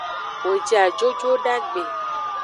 Wo ji ajo jodagbe.